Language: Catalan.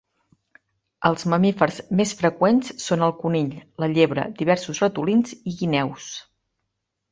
Els mamífers més freqüents són el conill, la llebre, diversos ratolins i guineus.